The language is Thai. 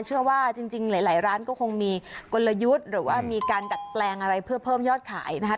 เชื่อว่าจริงหลายร้านก็คงมีกลยุทธ์หรือว่ามีการดัดแปลงอะไรเพื่อเพิ่มยอดขายนะครับ